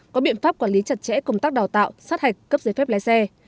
có biện pháp quản lý chặt chẽ công tác đào tạo sát hạch cấp giấy phép lái xe